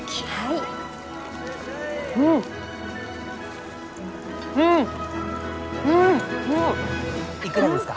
いくらですか？